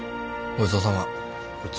ごちそうさま。